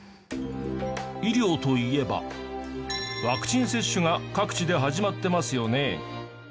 医療といえばワクチン接種が各地で始まってますよね。